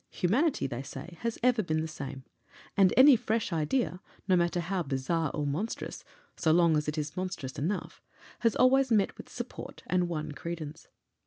Humanity, they say, has ever been the same; and any fresh idea no matter how bizarre or monstrous, so long as it is monstrous enough has always met with support and won credence.